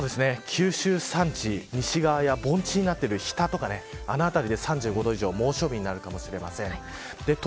九州山地西側や盆地になってる飛騨とかあの辺りで３５度以上の猛暑日になるかもしれません。